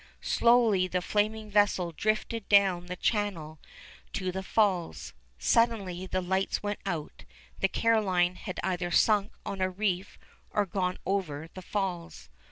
Slowly the flaming vessel drifted down the channel to the Falls. Suddenly the lights went out; the Caroline had either sunk on a reef or gone over the Falls.